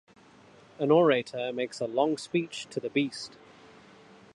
An orator makes a long speech to the beast.